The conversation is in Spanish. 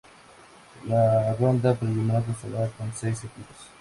La ronda preliminar constará con seis equipos.